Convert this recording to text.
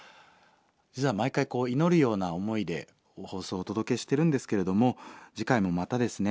実は毎回祈るような思いで放送をお届けしてるんですけれども次回もまたですね